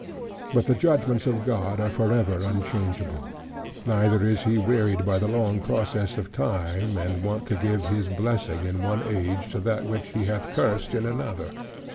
But the judgments of God are forever unchangeable: neither is He wearied by the long process of time, and won to give His blessing in one age, to that which He hath cursed in another.